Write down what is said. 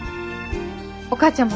お母ちゃん